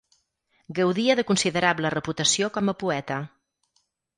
Gaudia de considerable reputació com a poeta.